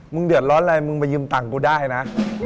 เดือดร้อนอะไรมึงไปยืมตังค์กูได้นะ